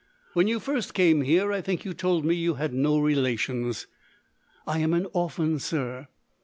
"When you first came here, I think you told me you had no relations?" "I am an orphan, sir."